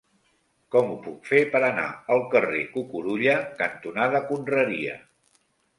Com ho puc fer per anar al carrer Cucurulla cantonada Conreria?